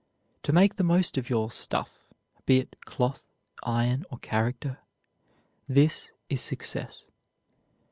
To make the most of your "stuff," be it cloth, iron, or character, this is success.